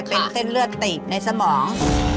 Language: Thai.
เป็นเส้นเลือดตีบในสมอง